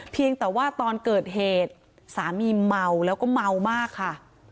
เพียงแต่ว่าตอนเกิดเหตุสามีเมาแล้วก็เมามากค่ะ